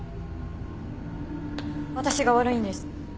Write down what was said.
私が悪いんです。